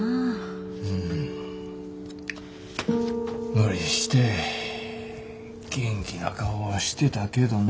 無理して元気な顔はしてたけどな。